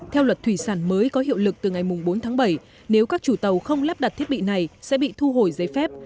theo luật thủy sản mới có hiệu lực từ ngày bốn tháng bảy nếu các chủ tàu không lắp đặt thiết bị này sẽ bị thu hồi giấy phép